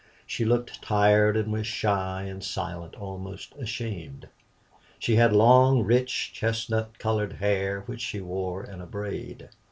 She looked tired, and was shy and silent, almost ashamed. She had long, rich, chestnut colored hair which she wore in a braid.